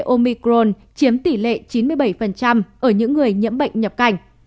omicron chiếm tỷ lệ chín mươi bảy ở những người nhiễm bệnh nhập cảnh